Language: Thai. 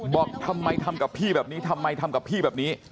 บอกทำไมทำกับพี่แบบนี้ทำไมทำกับพี่แบบนี้